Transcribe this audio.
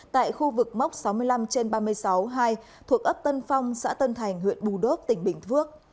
tại khu vực móc sáu mươi năm trên ba mươi sáu hai thuộc ấp tân phong xã tân thành huyện bù đốp tỉnh bình phước